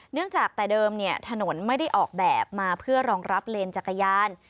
จากแต่เดิมถนนไม่ได้ออกแบบมาเพื่อรองรับเลนจักรยาน